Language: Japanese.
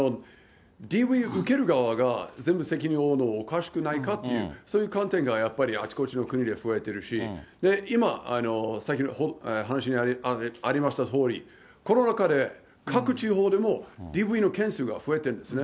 ＤＶ受ける側が全部責任を負うのはおかしくないかっていう、そういう観点がやっぱりあちこちの国で増えているし、今、さっきの話にもありましたとおり、コロナ禍で各地方でもＤＶの件数が増えてるんですね。